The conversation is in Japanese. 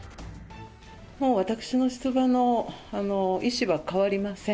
もう私の出馬の意思は変わりません。